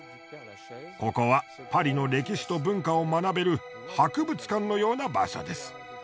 ここはパリの歴史と文化を学べる博物館のような場所です。